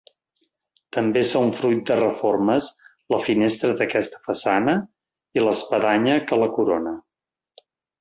També són fruit de reformes la finestra d'aquesta façana i l'espadanya que la corona.